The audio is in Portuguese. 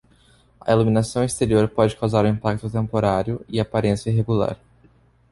A iluminação exterior pode causar um impacto temporário e aparência irregular.